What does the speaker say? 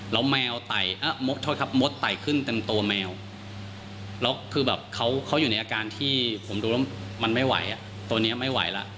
แล้วมดไต่ขึ้นเต็มตัวแมวแล้วคือแบบเขาอยู่ในอาการที่ผมดูแล้วมันไม่ไหวตัวนี้ไม่ไหวล่ะ